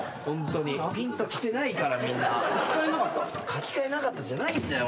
書き換えなかったじゃないんだよ。